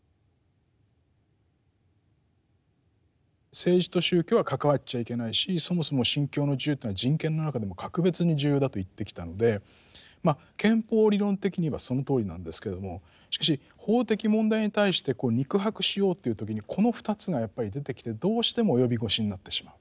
政治と宗教は関わっちゃいけないしそもそも信教の自由というのは人権の中でも格別に重要だと言ってきたのでまあ憲法理論的にはそのとおりなんですけれどもしかし法的問題に対して肉薄しようという時にこの２つがやっぱり出てきてどうしても及び腰になってしまう。